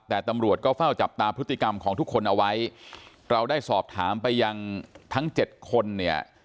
แต่ตำรวจก็เฝ้าจับตาพฤติกรรมของทุกคนเอาไว้เราได้สอบถามไปยังทั้งเจ็ดคนเนี่ย